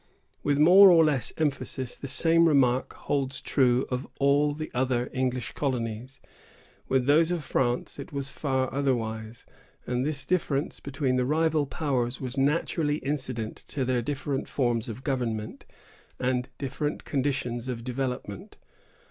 With more or less emphasis, the same remark holds true of all the other English colonies. With those of France, it was far otherwise; and this difference between the rival powers was naturally incident to their different forms of government, and different conditions of development.